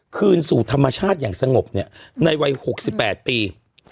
คืนสู่ธรรมชาติอย่างสงบในวัย๖๘ปี